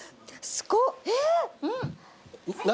すごっ！